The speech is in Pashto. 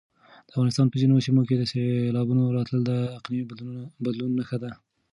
د افغانستان په ځینو سیمو کې د سېلابونو راتلل د اقلیمي بدلون نښه ده.